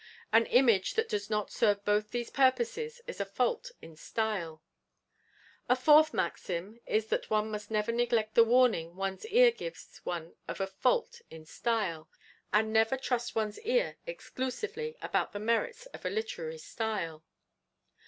An image that does not serve both these purposes is a fault in style. A fourth maxim is that one must never neglect the warning one's ear gives one of a fault in style; and never trust one's ear exclusively about the merits of a literary style.